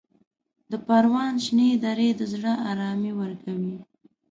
د پروان شنې درې د زړه ارامي ورکوي.